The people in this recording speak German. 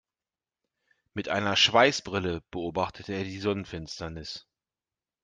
Mit einer Schweißbrille beobachtete er die Sonnenfinsternis.